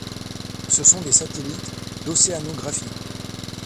Ce sont des satellites d'océanographie.